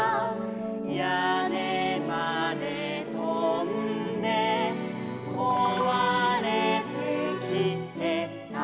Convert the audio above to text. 「屋根までとんでこわれてきえた」